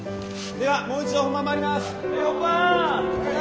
ではもう一度本番参ります。